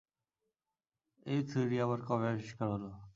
এই থিওরি আবার কবে আবিষ্কার হল?